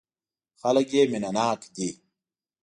خلک یې مینه ناک دي.